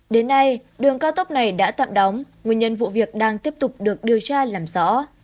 đến nay đường cao tốc này đã tạm đóng nguyên nhân vụ việc đang tiếp tục được điều tra làm rõ